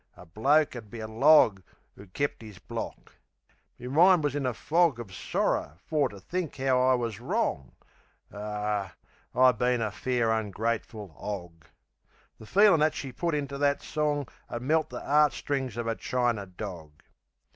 A bloke 'ud be a log 'Oo kep' 'is block. Me mind wus in a fog Of sorrer for to think 'ow I wus wrong; Ar, I 'ave been a fair ungrateful 'og! The feelin' that she put into that song 'Ud melt the 'eart strings of a chiner dog.